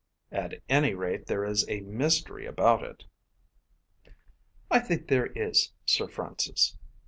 "At any rate there is a mystery about it." "I think there is, Sir Francis."